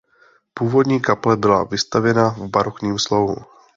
Původní kaple byla vystavěna v barokním slohu.